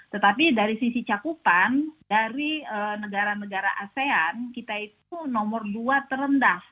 tetapi dari sisi cakupan dari negara negara asean kita itu nomor dua terendah